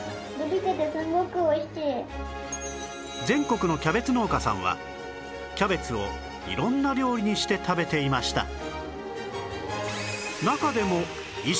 全国のキャベツ農家さんはキャベツを色んな料理にして食べていました